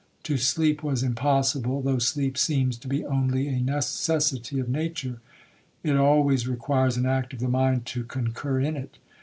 To sleep was impossible. Though sleep seems to be only a necessity of nature, it always requires an act of the mind to concur in it.